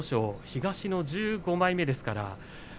東の１５枚目ですからね。